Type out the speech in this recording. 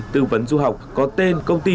tư vấn du học có tên công ty